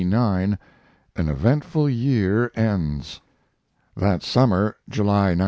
CLXXXIX. AN EVENTFUL YEAR ENDS That summer (July, '94.)